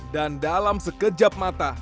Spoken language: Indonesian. dan dalam sekejap mata